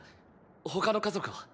他の家族は？